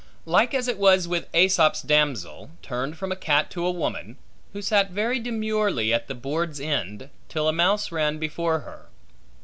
Like as it was with AEsop's damsel, turned from a cat to a woman, who sat very demurely at the board's end, till a mouse ran before her.